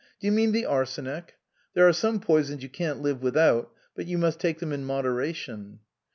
"Do you mean the arsenic? There are some poisons you can't live without ; but you must take them in moderation."